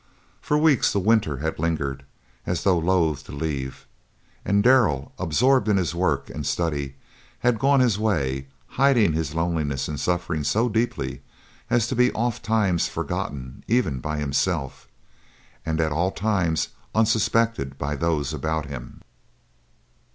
For weeks the winter had lingered as though loath to leave, and Darrell, absorbed in work and study, had gone his way, hiding his loneliness and suffering so deeply as to be ofttimes forgotten even by himself, and at all times unsuspected by those about him.